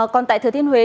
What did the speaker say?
còn tại thứ thiên bản